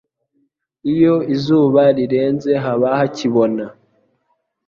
iyo izuba rirenze haba hakibona